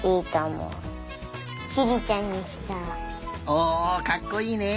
おおかっこいいね！